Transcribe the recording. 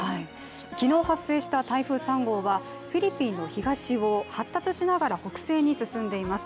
昨日発生した台風３号はフィリピンの東を発達しながら北西に進んでいます。